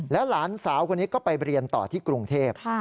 หลานสาวคนนี้ก็ไปเรียนต่อที่กรุงเทพ